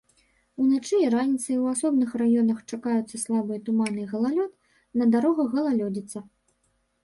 Уначы і раніцай у асобных раёнах чакаюцца слабыя туманы і галалёд, на дарогах галалёдзіца.